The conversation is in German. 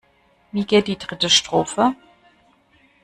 Wie geht die dritte Strophe?